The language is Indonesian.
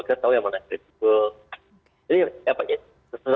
kita tahu yang mana kredibel